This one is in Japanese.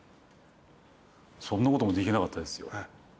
そんなこともできなかったですよ。